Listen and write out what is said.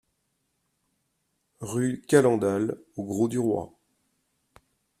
Rue Calendal au Grau-du-Roi